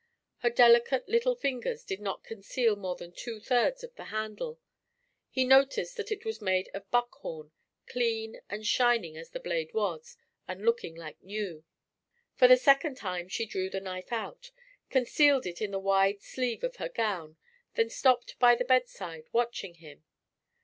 Her delicate little fingers did not conceal more than two thirds of the handle: he noticed that it was made of buck horn, clean and shining as the blade was, and looking like new. For the second time she drew the knife out, concealed it in the wide sleeve of her gown, then stopped by the bedside, watching him.